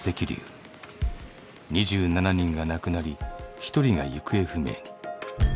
２７人が亡くなり１人が行方不明に。